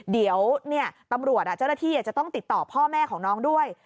เดี๋ยวตำรวจเจ้าหน้าที่จะต้องติดต่อพ่อแม่ของน้องด้วย